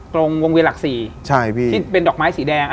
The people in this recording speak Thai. ตรงวงเวียหลักสี่ซีแดง